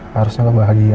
harusnya lo bahagia